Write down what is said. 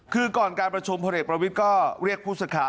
คือก่อนการประชุมพลเอกประวิทย์ก็เรียกผู้สื่อข่าว